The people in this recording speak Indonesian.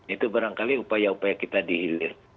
itu barangkali upaya upaya kita dihilir